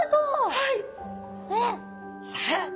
はい。